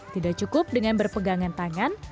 tidak cukup dengan berpegangan